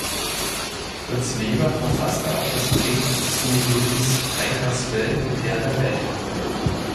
Fritz Weber verfasste auch das Drehbuch zu Luis Trenkers Film "Der Rebell".